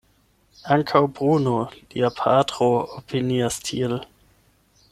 Ankaŭ Bruno, lia patro, opinias tiel.